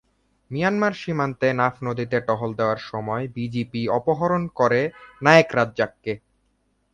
Myanmar সীমান্তের নাফ নদীতে টহল দেওয়ার সময় বিজিপি অপহরণ করে নায়েক রাজ্জাককে।